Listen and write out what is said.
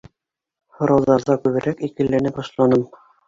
Һорауҙарҙа күберәк икеләнә башланым.